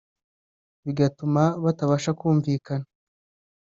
bigatuma batabasha kumvikana